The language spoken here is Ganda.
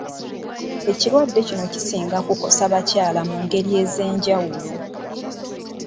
Ekirwadde kino kisinga kukosa bakyala mu ngeri ez'enjawulo.